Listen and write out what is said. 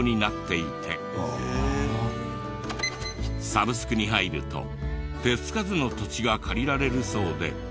サブスクに入ると手付かずの土地が借りられるそうで。